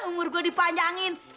umur gua dipanjangin